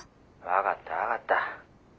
分かった分かった。